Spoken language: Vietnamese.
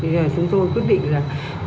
thì chúng tôi quyết định là cúng các chép giấy